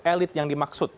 untuk elit yang dimaksud